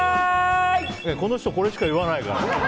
この人これしか言わないから。